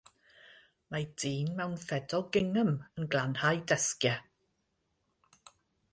Mae dyn mewn ffedog gingham yn glanhau desgiau.